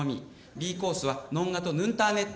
Ｂコースはノンガとヌンターネット。